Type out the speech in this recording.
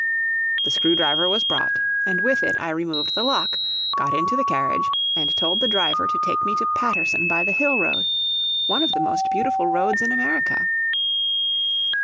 The screwdriver was brought, and with it I removed the lock, got into the carriage, and told the driver to take me to Paterson by the hill road one of the most beautiful roads in America.